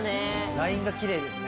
ラインがキレイですね。